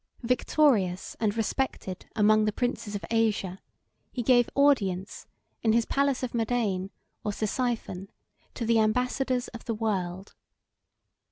Victorious and respected among the princes of Asia, he gave audience, in his palace of Madain, or Ctesiphon, to the ambassadors of the world.